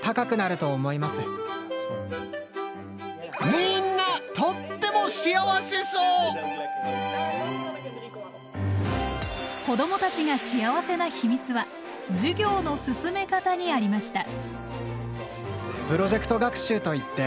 みんな子どもたちが幸せな秘密は授業の進め方にありました。